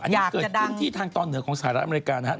อันนี้เกิดขึ้นที่ทางตอนเหนือของสหรัฐอเมริกานะครับ